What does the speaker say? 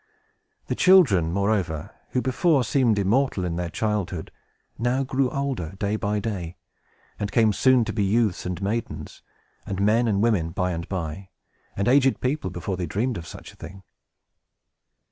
The children, moreover, who before seemed immortal in their childhood, now grew older, day by day, and came soon to be youths and maidens, and men and women by and by, and aged people, before they dreamed of such a thing.